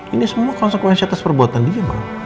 ini semua konsekuensi atas perbuatan dia